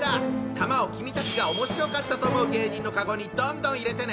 玉を君たちがおもしろかったと思う芸人のカゴにどんどん入れてね！